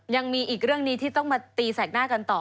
ยังมีอีกเรื่องนี้ที่ต้องมาตีแสกหน้ากันต่อ